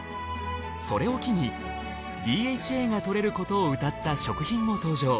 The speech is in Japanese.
それを機にＤＨＡが摂れることをうたった食品も登場。